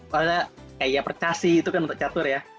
padahal kayak percasi itu kan untuk catur ya